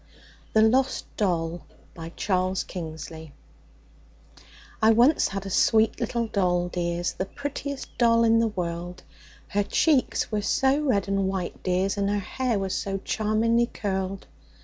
ANONYMOUS THE LOST DOLL I once had a sweet little doll, dears, The prettiest doll in the world; Her cheeks were so red and white, dears, And her hair was so charmingly curled.